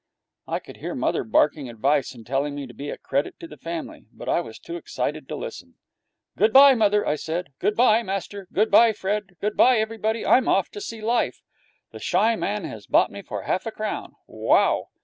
I could hear mother barking advice and telling me to be a credit to the family, but I was too excited to listen. 'Good bye, mother,' I said. 'Good bye, master. Good bye, Fred. Good bye everybody. I'm off to see life. The Shy Man has bought me for half a crown. Wow!'